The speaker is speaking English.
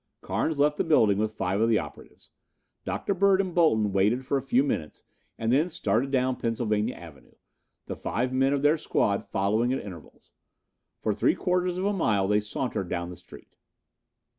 Carnes left the building with five of the operatives. Dr. Bird and Bolton waited for a few minutes and then started down Pennsylvania Avenue, the five men of their squad following at intervals. For three quarters of a mile they sauntered down the street.